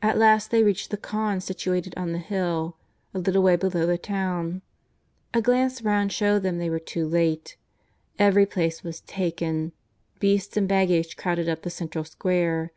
At last they reached the khan, situated on the hill, a little way below the town. A glance round showed them they were too late. Every place was taken. Beasts and baggage crowded up the central square.